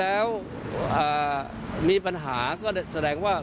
แล้วมีปัญหาก็แสดงว่า